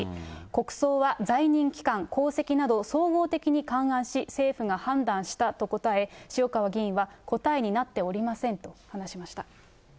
国葬は在任期間、功績など総合的に勘案し、政府が判断したと答え、塩川議員は、答えになっておりませんと話しました。